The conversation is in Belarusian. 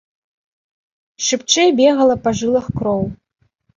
Шыбчэй бегала па жылах кроў.